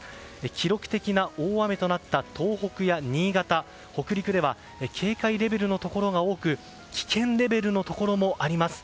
記録的な大雨となった東北や新潟北陸では警戒レベルのところが多く危険レベルのところもあります。